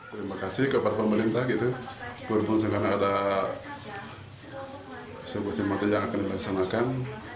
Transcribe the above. terima kasih kepada pemerintah gitu walaupun sekarang ada eksekusi mati yang akan dilaksanakan